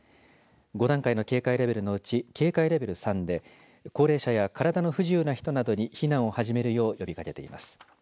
５段階の警戒レベルのうち警戒レベル３で高齢者や体の不自由な人などに避難を始めるよう呼びかけています。